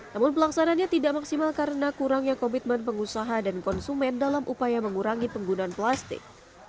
namun pelaksananya tidak maksimal karena kurangnya komitmen pengusaha dan konsumen dalam upaya mengurangi penggunaan plastik